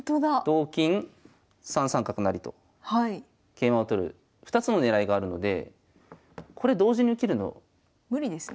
同金３三角成と桂馬を取る２つの狙いがあるのでこれ同時に受けるの無理ですね。